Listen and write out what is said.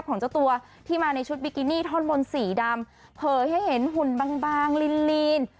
ท่อนมนต์สีดำเผลอให้เห็นหุ่นบางลีน